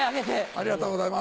ありがとうございます。